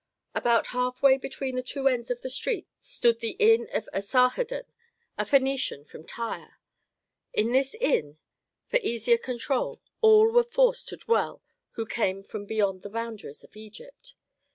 About half way between the two ends of the street stood the inn of Asarhadon, a Phœnician from Tyre. In this inn, for easier control, all were forced to dwell who came from beyond the boundaries of Egypt.